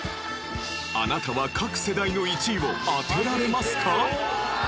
あなたは各世代の１位を当てられますか？